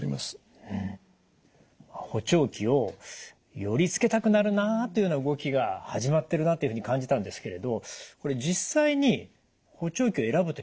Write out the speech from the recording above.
補聴器をよりつけたくなるなというような動きが始まってるなというふうに感じたんですけれどこれ実際に補聴器を選ぶ時の注意点ってありますか？